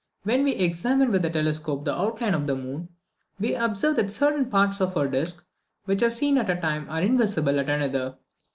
When we examine with a telescope the outline of the moon, we observe that certain parts of her disc, which are seen at one time, are invisible at another.